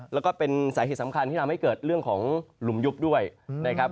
แล้วก็เป็นสาเหตุสำคัญที่ทำให้เกิดเรื่องของหลุมยุบด้วยนะครับ